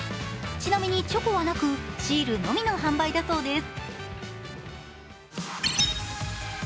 ちなみにチョコはなくシールのみの販売だそうです。